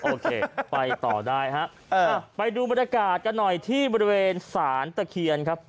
โอเคไปต่อได้ฮะไปดูบรรยากาศกันหน่อยที่บริเวณสารตะเคียนครับ